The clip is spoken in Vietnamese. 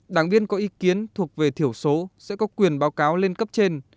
đảng viên có ý kiến thuộc về thiểu số sẽ có quyền báo cáo lên cấp trên